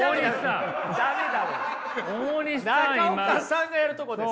中岡さんがやるとこです。